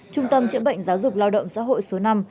trung tâm chữa bệnh giáo dục lao động xã hội số năm